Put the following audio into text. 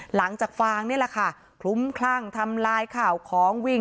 ฟางนี่แหละค่ะคลุ้มคลั่งทำลายข่าวของวิ่ง